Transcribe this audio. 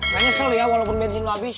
nanya sel ya walaupun bensin lu abis